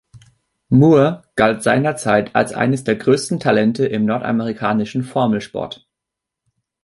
Moore galt seinerzeit als eines der größten Talente im nordamerikanischen Formelsport.